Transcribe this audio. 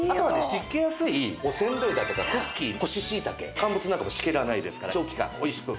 湿気やすいおせんべいだとかクッキー干ししいたけ乾物などが湿気らないですから長期間おいしく。